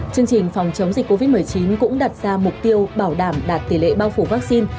chương trình phòng chống dịch covid một mươi chín cũng đặt ra mục tiêu bảo đảm đạt tỷ lệ bao phủ vaccine